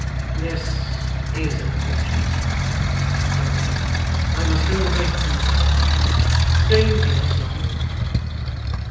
'This is unfortunate,' said Rokesmith. 'I must go and break it to Mrs Boffin. Stay you here, Sloppy.